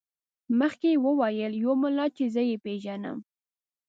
مخکې یې وویل یو ملا چې زه یې پېژنم.